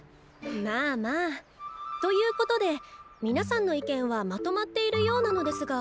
まあまあ。ということで皆さんの意見はまとまっているようなのですが。